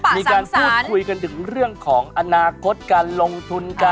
มีการพูดคุยกันถึงเรื่องของอนาคตการลงทุนกัน